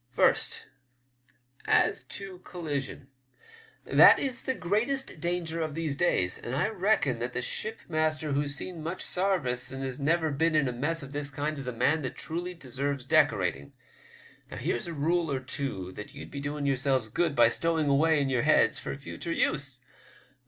First, as to collision. That is the greatest danger of these days, and I reckon that the shipmaster who's seen much sarvice and has never been in a mess of the kind is a man that truly deserves decorating. Now, here's a rule or two that ye'd be doing yourselves good by stowing away in your heads for future use.